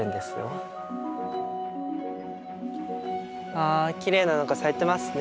あきれいなのが咲いてますね